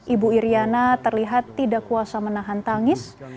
ibu iryana terlihat tidak kuasa menahan tangis